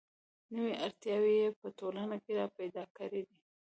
نوې اړتیاوې یې په ټولنه کې را پیدا کړې دي.